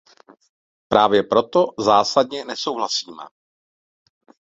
Právě proto zásadně nesouhlasíme.